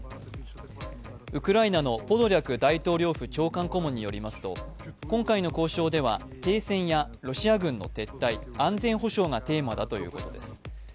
ウクライナのポドリャク大統領府長官顧問によりますと、今回の交渉では停戦やロシア軍の撤退安全保障がテーマだということです。